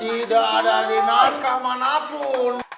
tidak ada di naskah manapun